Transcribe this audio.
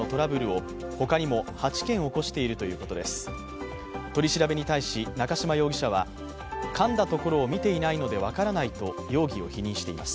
取り調べに対し中島容疑者はかんだところを見ていないので分からないと容疑を否認しています。